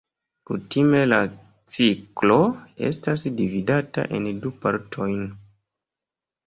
Kutime la ciklo estas dividata en du partojn.